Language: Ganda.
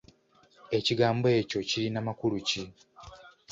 Ekigambo ekyo kirina makulu ki?